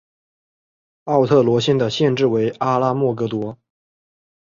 奥特罗县的县治为阿拉莫戈多。